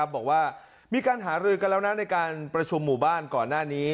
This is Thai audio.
บอกว่ามีการหารือกันแล้วนะในการประชุมหมู่บ้านก่อนหน้านี้